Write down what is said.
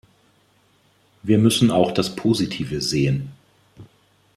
Wir müssen auch das Positive sehen.